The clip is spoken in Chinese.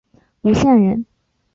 吴县人。